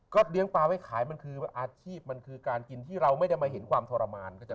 เลี้ยงปลาไว้ขายมันคืออาชีพมันคือการกินที่เราไม่ได้มาเห็นความทรมาน